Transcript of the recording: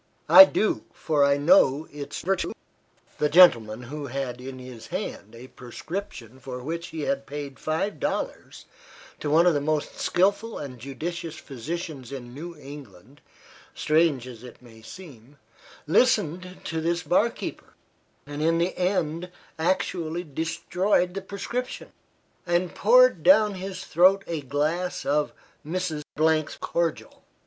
"I do, for I know its virtue." The gentleman, who had in his hand a prescription for which he had paid five dollars to one of the most skilful and judicious physicians in New England, strange as it may seem, listened to this bar keeper, and in the end actually destroyed the prescription, and poured down his throat a glass of "Mrs. 's Cordial."